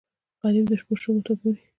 غریب د شپو شګو ته ګوري